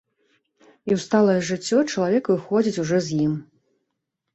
І ў сталае жыццё чалавек выходзіць ужо з ім.